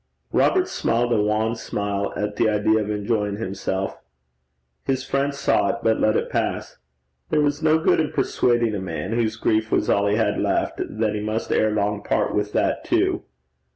Robert smiled a wan smile at the idea of enjoying himself. His friend saw it, but let it pass. There was no good in persuading a man whose grief was all he had left, that he must ere long part with that too.